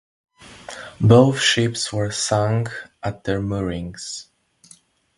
Both ships were sunk at their moorings.